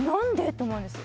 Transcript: と思うんですよ